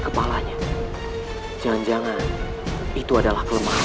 kepalanya jangan jangan itu adalah kelemahan